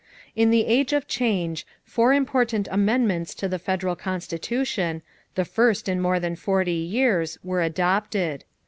In the age of change, four important amendments to the federal constitution, the first in more than forty years, were adopted.